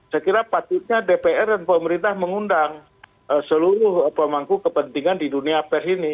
saya kira patutnya dpr dan pemerintah mengundang seluruh pemangku kepentingan di dunia pers ini